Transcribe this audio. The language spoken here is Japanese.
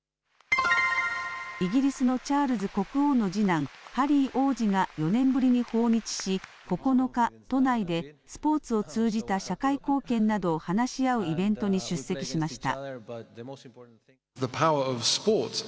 イギリスのチャールズ国王の次男、ハリー王子が４年ぶりに訪日し、９日、都内でスポーツを通じた社会貢献などを話し合うイベントに出席しました。